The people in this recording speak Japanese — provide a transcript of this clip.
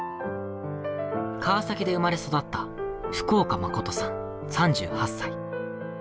川崎で生まれ育った福岡誠さん３８歳。